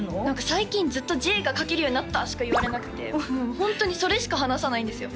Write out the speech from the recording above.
最近ずっと「Ｊが書けるようになった」しか言われなくてホントにそれしか話さないんですよ